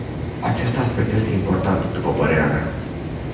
Acest aspect este important, după părerea mea.